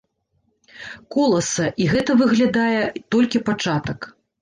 Коласа, і гэта, выглядае, толькі пачатак.